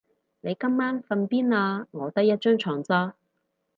你今晚瞓邊啊？我得一張床咋